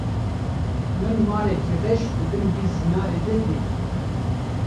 Min marekî reş di bin vî zinarî de dît.